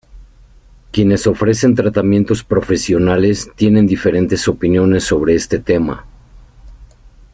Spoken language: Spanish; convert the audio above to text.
Quienes ofrecen tratamientos profesionales tienen diferentes opiniones sobre este tema.